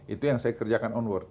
itu yang saya kerjakan onward